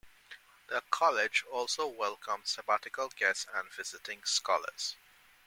The college also welcomes sabbatical guests and visiting scholars.